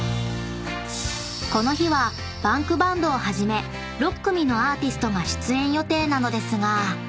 ［この日はＢａｎｋＢａｎｄをはじめ６組のアーティストが出演予定なのですが］